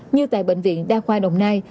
như tại bệnh viện đa khoa đồng nai